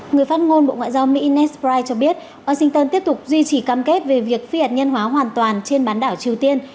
người phát ngôn bộ ngoại giao mỹ naspride cho biết washington tiếp tục duy trì cam kết về việc phi hạt nhân hóa hoàn toàn trên bán đảo triều tiên